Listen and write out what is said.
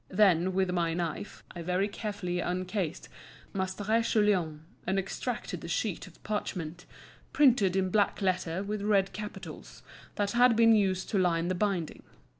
Then, with my knife, I very carefully uncased Maistre Guillaume, and extracted the sheet of parchment, printed in black letter with red capitals, that had been used to line the binding.